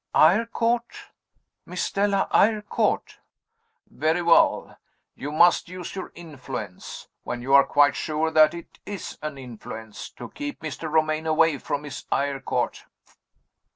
"Eyrecourt. Miss Stella Eyrecourt." "Very well. You must use your influence (when you are quite sure that it is an influence) to keep Mr. Romayne away from Miss Eyrecourt."